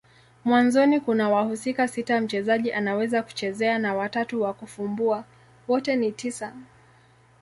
Mwanzoni kuna wahusika sita mchezaji anaweza kuchezea na watatu wa kufumbua. Wote ni tisa.